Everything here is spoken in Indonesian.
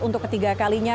untuk ketiga kalinya